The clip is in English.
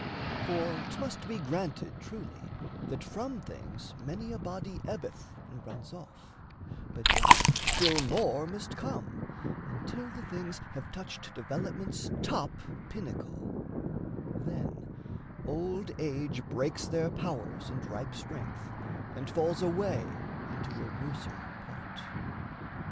For 'tmust be granted, truly, that from things Many a body ebbeth and runs off; But yet still more must come, until the things Have touched development's top pinnacle; Then old age breaks their powers and ripe strength And falls away into a worser part.